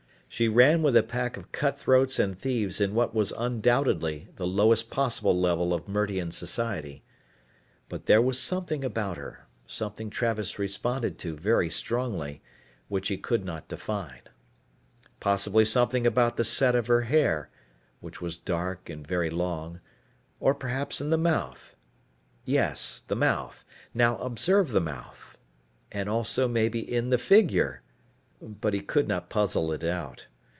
She ran with a pack of cutthroats and thieves in what was undoubtedly the lowest possible level of Mertian society. But there was something about her, something Travis responded to very strongly, which he could not define. Possibly something about the set of her hair, which was dark and very long, or perhaps in the mouth yes the mouth, now observe the mouth and also maybe in the figure.... But he could not puzzle it out.